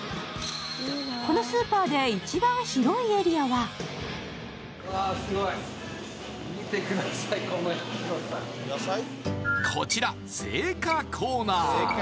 このスーパーで一番広いエリアはこちら、青果コーナー。